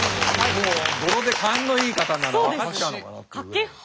もう語呂で勘のいい方なら分かっちゃうのかなっていう。